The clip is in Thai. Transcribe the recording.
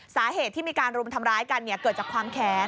สาเหตุที่มีการรุมทำร้ายกันเกิดจากความแค้น